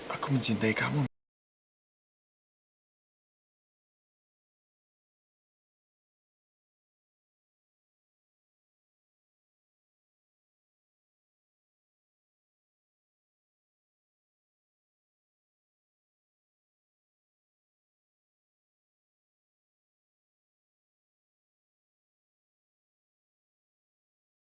aku mencintai kamu matt